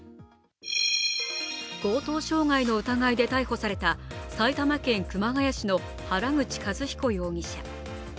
強盗傷害の疑いで逮捕された埼玉県熊谷市の原口一彦容疑者。